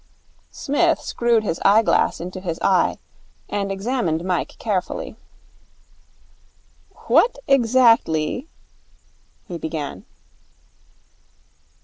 Psmith screwed his eyeglass into his eye, and examined Mike carefully. 'What exactly ?' be began.